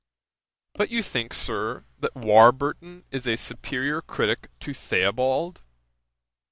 "But you think, Sir, that Warburton is a superiour critick to Theobald?"